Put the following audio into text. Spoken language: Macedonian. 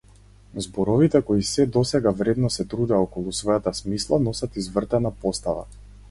Зборовите кои сѐ до сега вредно се трудеа околу својата смисла носат извртена постава.